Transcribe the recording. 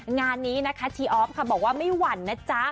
งานนี้นะคะทีออฟค่ะบอกว่าไม่หวั่นนะจ๊ะ